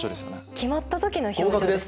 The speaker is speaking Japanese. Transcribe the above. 決まった時の表情です。